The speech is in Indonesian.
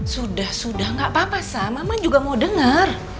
sudah sudah gak apa apa sama mama juga mau dengar